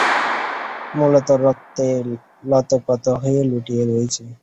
মূলত, রক্তে লতপত হয়ে লুটিয়ে রয়েছি।